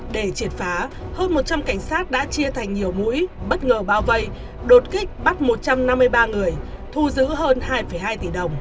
để triệt phá hơn một trăm linh cảnh sát đã chia thành nhiều mũi bất ngờ bao vây đột kích bắt một trăm năm mươi ba người thu giữ hơn hai hai tỷ đồng